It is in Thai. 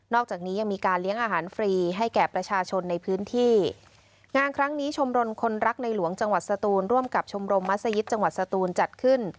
อกจากนี้ยังมีการเลี้ยงอาหารฟรีให้แก่ประชาชนในพื้นที่งานครั้งนี้ชมรมคนรักในหลวงจังหวัดสตูนร่วมกับชมรมมัศยิตจังหวัดสตูนจัดขึ้น